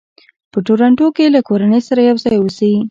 په ټورنټو کې له کورنۍ سره یو ځای اوسي.